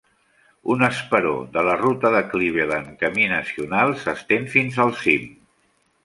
Un esperó de la ruta de Cleveland camí nacional s'estén fins al cim.